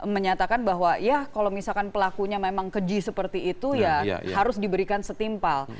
menyatakan bahwa ya kalau misalkan pelakunya memang keji seperti itu ya harus diberikan setimpal